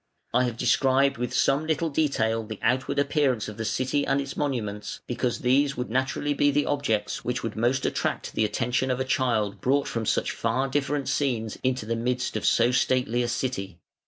I have described with some little detail the outward appearance of the city and its monuments, because these would naturally be the objects which would most attract the attention of a child brought from such far different scenes into the midst of so stately a city.